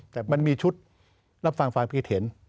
แต่มันมีชุดรับฟังฟังพี่เขียน